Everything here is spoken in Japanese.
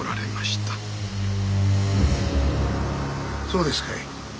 そうですかい。